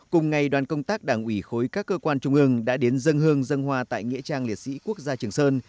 cùng ngày đoàn công tác đảng ủy khối các cơ quan trung ương đã đến dân hương dân hoa tại nghĩa trang liệt sĩ quốc gia trường sơn